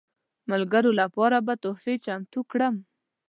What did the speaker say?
ملګرو لپاره به تحفې چمتو کړم.